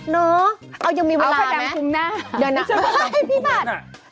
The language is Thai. เนอะเอายังมีเวลานะเดี๋ยวหน่อยพี่ฟัตรผ้าดำคลุม